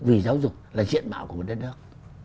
vì giáo dục là diện bảo của một đất nước